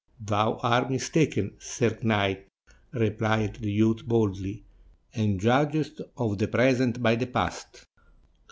"Thou art mistaken, sir knight," replied the youth boldly, "and judgest of the present by the past.